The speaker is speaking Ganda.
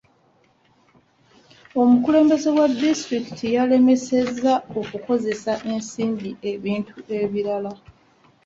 Omukulembeze wa disitulikiti yalemesezza okukozesa ensimbi ebintu ebirala.